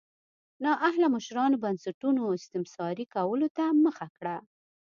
نااهله مشرانو بنسټونو استثماري کولو ته مخه کړه.